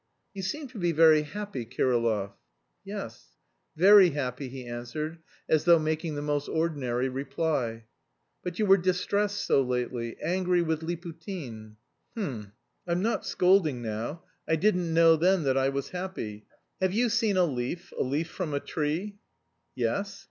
"You seem to be very happy, Kirillov." "Yes, very happy," he answered, as though making the most ordinary reply. "But you were distressed so lately, angry with Liputin." "H'm... I'm not scolding now. I didn't know then that I was happy. Have you seen a leaf, a leaf from a tree?" "Yes."